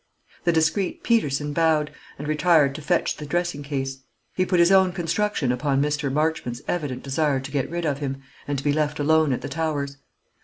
The discreet Peterson bowed, and retired to fetch the dressing case. He put his own construction upon Mr. Marchmont's evident desire to get rid of him, and to be left alone at the Towers.